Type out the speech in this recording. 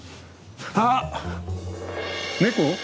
あっ猫？